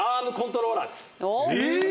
えっ？